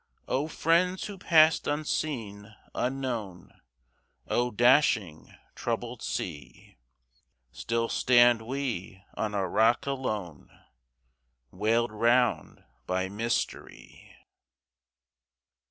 O friends who passed unseen, unknown! O dashing, troubled sea! Still stand we on a rock alone, Walled round by mystery.